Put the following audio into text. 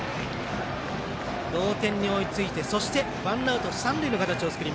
同点に追いついてそして、ワンアウト